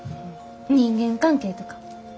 人間関係とか？